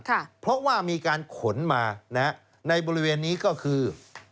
เพราะว่ามีการขนมานะฮะในบริเวณนี้ก็คือ